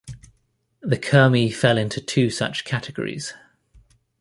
The Kurmi fell into two such categories.